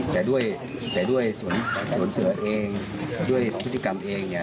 แต่ด้วยแต่ด้วยสวนเสือเองด้วยพฤติกรรมเองเนี่ย